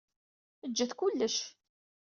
Eǧǧet kullec.